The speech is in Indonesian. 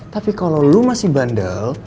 tapi kalau lo masih bandel